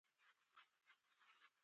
د ژوندانه د ناکامیو څخه مه مایوسه کېږه!